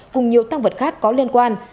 cùng nhiều tăng vật khác có liên quan